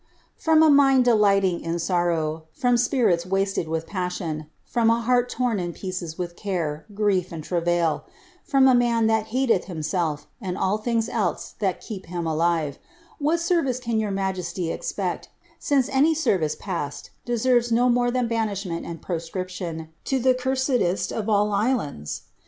From a mind delighting in sorrow ; from spirits wasted with passion ; from t heart torn in pieces with care, grief, and travail ; from a man that hateth him lelf, and all things else that keep him alive ; what service can your majesty ex pect, since any service past deserves no more than banishment and proscription to the' cursedest of all islands?